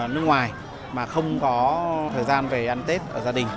nước ngoài mà không có thời gian về ăn tết ở gia đình